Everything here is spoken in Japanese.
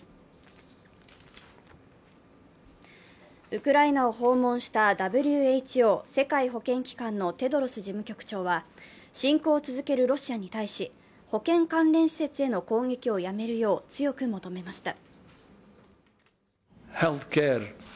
ウクライナを訪問したＷＨＯ＝世界保健機関のテドロス事務局長は侵攻を続けるロシアに対し保健関連施設への攻撃をやめるよう強く求めました。